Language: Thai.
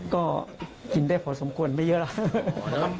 ก็กินได้พอสมควรไม่เยอะแล้ว